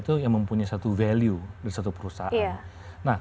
itu yang mempunyai satu value di satu perusahaan